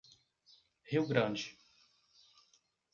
Rio Grande